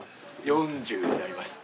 ４０になりました。